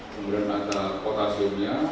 kemudian ada potasiumnya